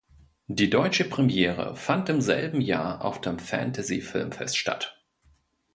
Die deutsche Premiere fand im selben Jahr auf dem Fantasy Filmfest statt.